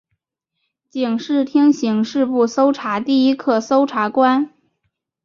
警视厅刑事部搜查第一课搜查官。